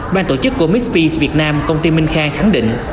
ban tổ chức của mixed piece việt nam công ty minh khang khẳng định